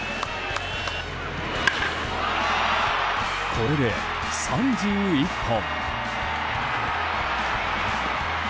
これで３１本。